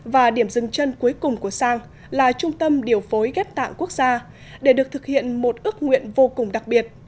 và điểm dừng chân cuối cùng của sang là trung tâm điều phối ghép tạng quốc gia để được thực hiện một ước nguyện vô cùng đặc biệt